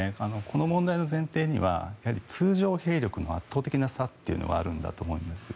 この問題の前提にはやはり通常兵力の圧倒的な差というのがあると思うんです。